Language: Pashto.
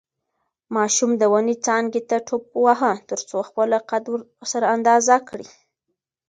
ماشوم د ونې څانګې ته ټوپ واهه ترڅو خپله قد ورسره اندازه کړي.